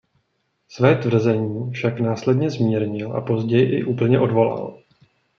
Své tvrzení však následně zmírnil a později i úplně odvolal.